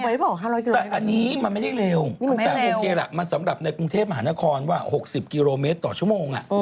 บอก๕๐๐กิโลแต่อันนี้มันไม่ได้เร็วแต่โอเคล่ะมันสำหรับในกรุงเทพมหานครว่า๖๐กิโลเมตรต่อชั่วโมง